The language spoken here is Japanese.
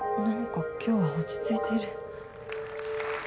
何か今日は落ち着いてる。